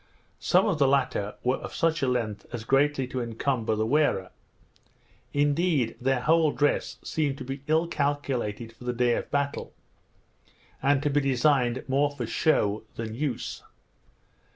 Some of the latter were of such a length as greatly to encumber the wearer. Indeed, their whole dress seemed to be ill calculated for the day of battle, and to be designed more for shew than use.